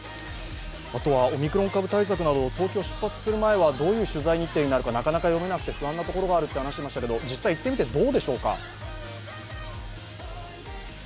オミクロン株対策など、東京を出発する前はどういう取材日程になるか、なかなか読めなくて不安なところがあると話していましたが、実際、行ってみてどうでしょうか？